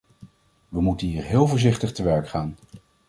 We moeten hier heel voorzichtig te werk gaan.